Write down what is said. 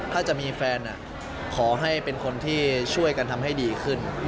ถ้าจะมีแฟนขอให้เป็นคนที่ช่วยกันทำให้ดีขึ้น